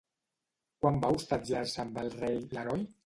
Quan va hostatjar-se amb el rei l'heroi?